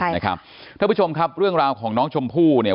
ท่านผู้ชมครับเรื่องราวของน้องชมพู่เนี่ย